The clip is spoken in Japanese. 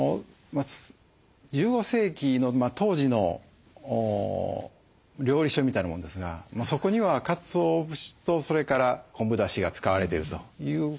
１５世紀の当時の料理書みたいなもんですがそこにはかつお節とそれから昆布だしが使われてるということは記述はあります。